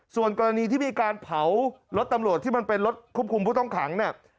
ส่วนกรณีที่มีการเผารถตำรวจที่มันเป็นรถควบคุมผู้ต้องขังเนี่ย